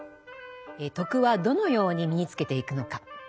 「徳」はどのように身につけていくのか。